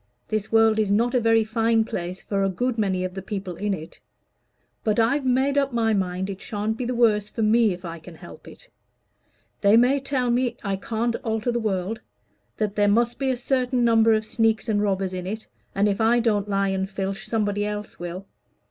This world is not a very fine place for a good many of the people in it. But I've made up my mind it shan't be the worse for me, if I can help it. They may tell me I can't alter the world that there must be a certain number of sneaks and robbers in it, and if I don't lie and filch somebody else will.